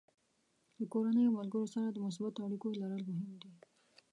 له کورنۍ او ملګرو سره د مثبتو اړیکو لرل مهم دي.